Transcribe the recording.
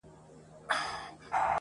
زما شهپرونه خدای قفس ته پیدا کړي نه دي -